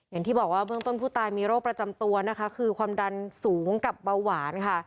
อย่างที่บอกว่าเบื้องต้นผู้ตายมีโรคประจำตัวนะคะคือความดันสูงกับเบาหวานค่ะ